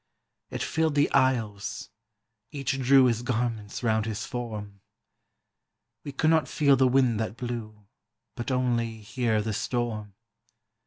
It filled the aisles, — each drew His garments round his form ; We could not feel the wind that blew, But only hear the storm.